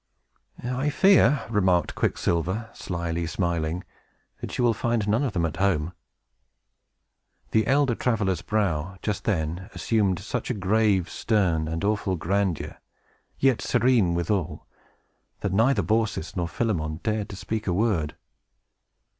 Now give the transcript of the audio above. "I fear," remarked Quicksilver, slyly smiling, "that you will find none of them at home." The elder traveler's brow, just then, assumed such a grave, stern, and awful grandeur, yet serene withal, that neither Baucis nor Philemon dared to speak a word.